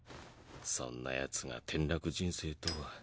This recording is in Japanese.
そんな奴が転落人生とは。